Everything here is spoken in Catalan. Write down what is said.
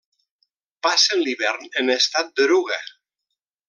Passen l'hivern en estat d'eruga.